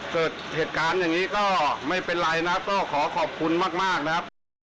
เกิดเหตุการณ์อย่างนี้ก็ไม่เป็นไรนะก็ขอขอบคุณมากนะครับ